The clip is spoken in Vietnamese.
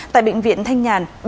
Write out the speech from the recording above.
tại bệnh viện thanh nhàn